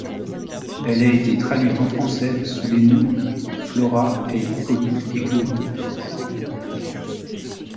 Elle a été traduite en français sous les noms Flora et Hippolyte et Clémentine.